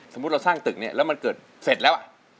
สมมุติเราสร้างตึกเนี่ยแล้วมันเกิดเสร็จแล้ว